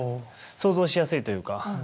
想像しやすいというか。